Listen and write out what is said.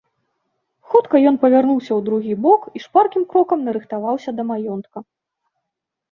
Хутка ён павярнуўся ў другі бок і шпаркім крокам нарыхтаваўся да маёнтка.